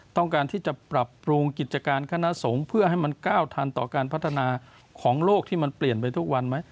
ต้องการที่จะปรับปรุงกิจการคณะสงฆ์เพื่อให้มันก้าวทันต่อการพัฒนาของโลกที่มันเปลี่ยนไปทุกวันไหม